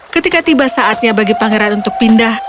ketika tiba saatnya bagi pangeran untuk pindah